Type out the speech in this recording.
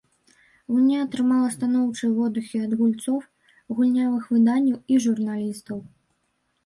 Гульня атрымала станоўчыя водгукі ад гульцоў, гульнявых выданняў і журналістаў.